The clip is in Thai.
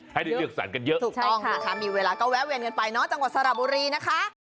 ให้ได้เลือกสรรกันเยอะถูกต้องนะคะมีเวลาก็แวะเวียนกันไปเนาะจังหวัดสระบุรีนะคะ